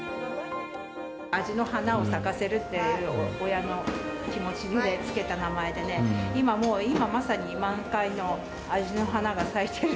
味の華を咲かせるっていう親の気持ちで付けた名前でね、今もう、今まさに満開の味の華が咲いている。